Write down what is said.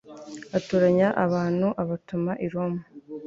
atoranya abantu abatuma i roma